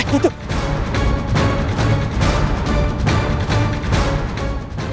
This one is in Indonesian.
jadi kamu harus berhenti